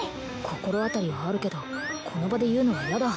心当たりはあるけどこの場で言うのはヤダ